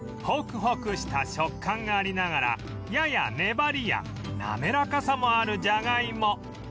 ホクホクした食感がありながらやや粘りやなめらかさもあるじゃがいも